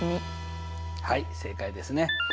はい正解ですね。